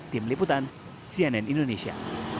tim liputan cnn indonesia